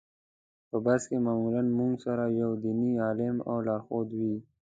په بس کې معمولا موږ سره یو دیني عالم او لارښود وي.